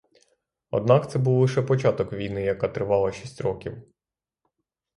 Однак це був лише початок війни, яка тривала шість років.